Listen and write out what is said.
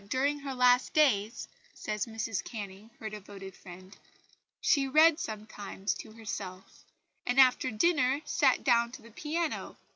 "During her last days," says Mrs Canning, her devoted friend, "she read sometimes to herself, and after dinner sat down to the piano.